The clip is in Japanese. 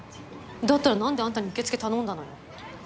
だったらなんであんたに受付頼んだのよ？